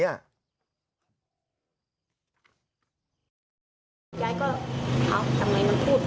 ยายก็เอ้าทำไมมันพูด